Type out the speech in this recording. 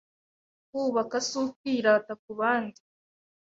Kubaka si ukwirata kubandi